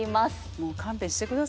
もう勘弁してくださいよ